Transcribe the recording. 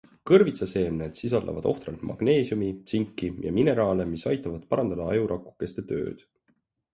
Kõrvitsaseemned sisaldavad ohtralt magneesiumi, tsinki ja mineraale, mis aitavad parandada ajurakukeste tööd.